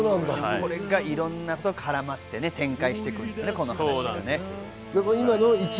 これがいろんな事と絡まって展開していくんですね。